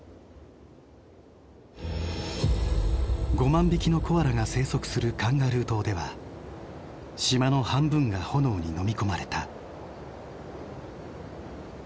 ５万匹のコアラが生息するカンガルー島では島の半分が炎にのみ込まれた。